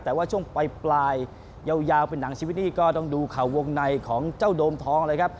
แต่ว่าช่วงปลายยาวเป็นหนังชีวิตนี่ก็ต้องดูเข่าวงในของเจ้าโดมทองเลยครับ